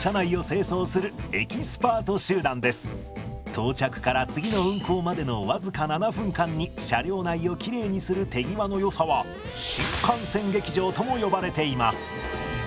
到着から次の運行までの僅か７分間に車両内をきれいにする手際のよさは新幹線劇場とも呼ばれています。